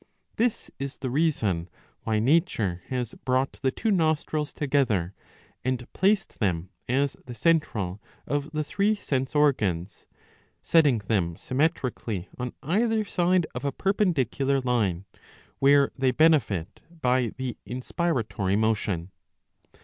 This is the reason why nature has brought the two nostrils together and placed them as the central of the three sense organs, setting them symmetrically on either side of a perpendicular line, where they benefit by the inspiratory motion.